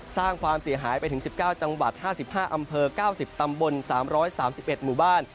สร้างความเสียหายไปถึง๑๙จังหวัด๕๕อำเภอ๙๐ตำบล๓๓๑หมู่บ้าน